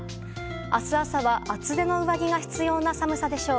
明日朝は厚手の上着が必要な寒さでしょう。